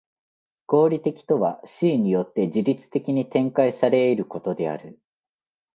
合理的とは思惟によって自律的に展開され得ることである。